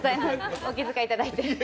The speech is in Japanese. お気遣いいただいて。